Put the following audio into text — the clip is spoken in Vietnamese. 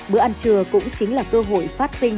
bữa ăn trưa cũng chính là cơ hội phát sinh